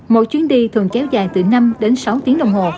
một chuyến đi thường kéo dài từ năm sáu tiếng đồng hồ